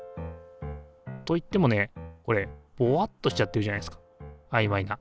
といってもねこれボワっとしちゃってるじゃないですかあいまいな。